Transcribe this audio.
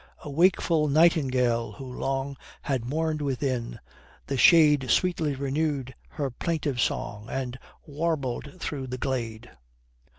A wakeful nightingale who long Had mourn'd within, the Shade Sweetly renewed her plaintive song And warbled through the Glade."